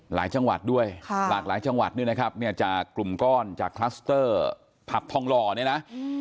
หลายจังหวัดด้วยหลากหลายจังหวัดด้วยนะครับเนี่ยจากกลุ่มก้อนจากคลัสเตอร์ผับทองหล่อเนี่ยนะ